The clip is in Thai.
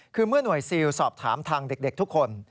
คือเมื่อหน่วยซิลสอบถามทางเด็กทุกคน